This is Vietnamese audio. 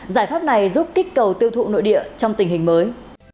giải pháp này giúp kích cầu tiêu thụ nội địa trong tình hình mới